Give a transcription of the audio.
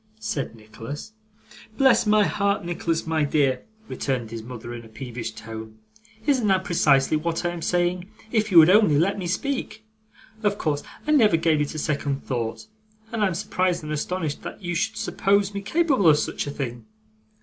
said Nicholas. 'Bless my heart, Nicholas my dear,' returned his mother in a peevish tone, 'isn't that precisely what I am saying, if you would only let me speak? Of course, I never gave it a second thought, and I am surprised and astonished that you should suppose me capable of such a thing.